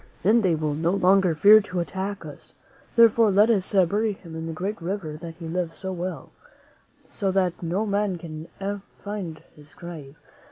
Then they will no longer fear to attack us. Therefore, let us bury him in the great river that he loved so well, so that no man can find his grave."